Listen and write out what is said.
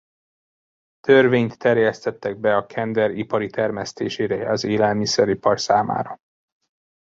Törvényt terjesztettek be a kender ipari termesztésére az élelmiszeripar számára.